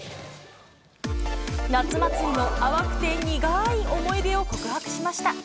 夏祭りの淡くて苦い思い出を告白しました。